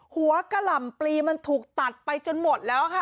กะหล่ำปลีมันถูกตัดไปจนหมดแล้วค่ะ